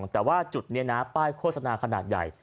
แต่ว่าจุดนี้นะป้ายโฆษณาขนาดใหญ่